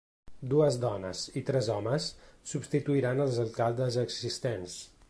Dues dones i tres homes substituiran als alcaldes existents.